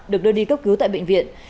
được đưa đi cấp cứu tại bệnh viện